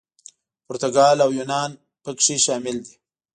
پرتګال او یونان پکې شامل دي.